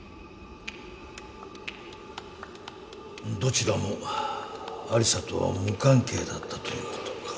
どちらも有沙とは無関係だったということか。